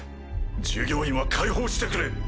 従業員は解放してくれ。